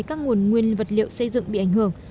các nguồn nguyên vật liệu xây dựng bị ảnh hưởng